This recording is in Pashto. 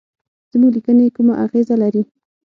زموږ لیکني کومه اغیزه لري.